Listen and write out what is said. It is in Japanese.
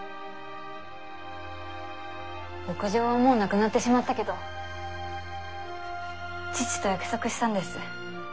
牧場はもうなくなってしまったけど父と約束したんです。